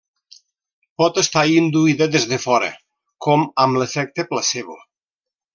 Pot estar induïda des de fora, com amb l'efecte placebo.